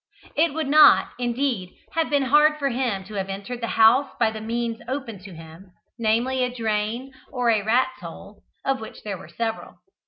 It would not, indeed, have been hard for him to have entered the house by the means open to him, namely, a drain or a rat's hole, of which there were several.